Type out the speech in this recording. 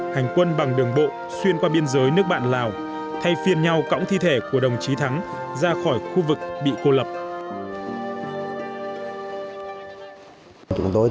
hành quân bằng đường bộ xuyên qua biên giới nước bạn lào hay phiền nhau cỏng thi thể của đồng chí thắng ra khỏi khu vực bị cô lập